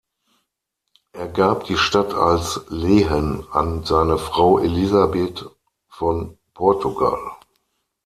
Er gab die Stadt als Lehen an seine Frau Elisabeth von Portugal.